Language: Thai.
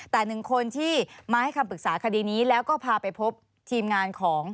แต่หนึ่งคนที่มาให้คำปรึกษาคดีนี้แล้วก็พาไปพบทีมงานของ